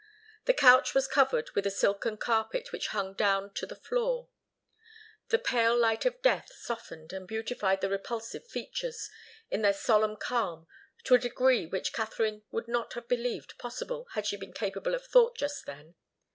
The couch was covered with a silken carpet which hung down to the floor. The pale light of death softened and beautified the repulsive features, in their solemn calm, to a degree which Katharine would not have believed possible, had she been capable of thought just then.